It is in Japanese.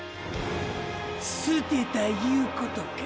捨てたいうことか。